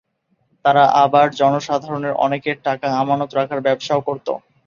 তারা আবার জনসাধারণের অনেকের টাকা আমানত রাখার ব্যবসাও করত।